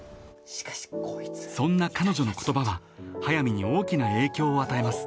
［そんな彼女の言葉は速水に大きな影響を与えます］